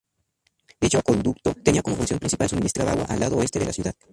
Dicho acueducto tenía como función principal suministrar agua al lado Oeste de la ciudad.